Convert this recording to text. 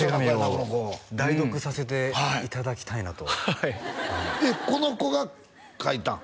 この子代読させていただきたいなとはいえっこの子が書いたん？